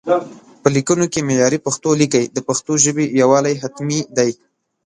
په ليکونو کې معياري پښتو ليکئ، د پښتو ژبې يووالي حتمي دی